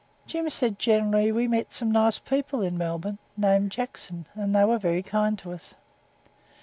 Jim said generally we met some very nice people in Melbourne named Jackson, and they were very kind to us.